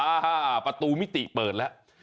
อ่าประตูมิติเปิดแล้ว